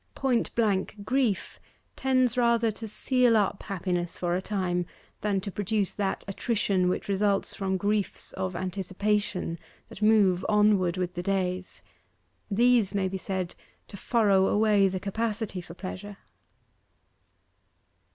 Point blank grief tends rather to seal up happiness for a time than to produce that attrition which results from griefs of anticipation that move onward with the days: these may be said to furrow away the capacity for pleasure.